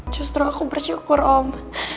justru aku bersyukur om